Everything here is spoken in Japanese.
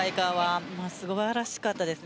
素晴らしかったです。